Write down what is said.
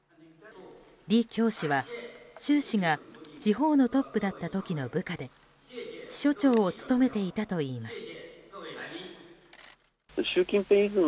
リ・キョウ氏は習氏が地方のトップだった時の部下で秘書長を務めていたといいます。